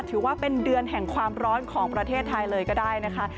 ถือว่าเป็นเดือนแห่งความร้อนของประเทศไทยเลยก็ได้นะคะ